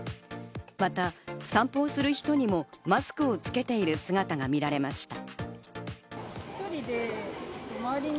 また散歩をする人にもマスクをつけている姿が見られました。